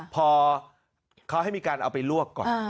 พอเขาให้มีการเอาไปลวกก่อน